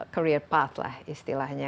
career path lah istilahnya